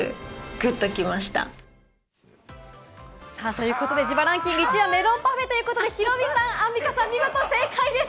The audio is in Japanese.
ということで自腹ンキング１位はメロンパフェということで、ヒロミさん、アンミカさん、見事正解です。